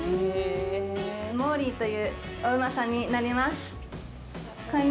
モーリーというお馬さんに乗ります。